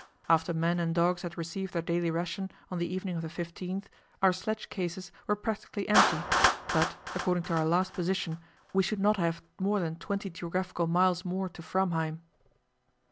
After men and dogs had received their daily ration on the evening of the 15th, our sledge cases were practically empty; but, according to our last position, we should not have more than twenty geographical miles more to Framheim.